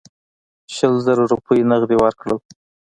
شل زره روپۍ نغدي ورکړل.